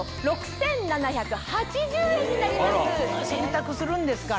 洗濯するんですから。